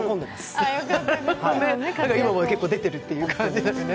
今も結構出ているっていう感じですね。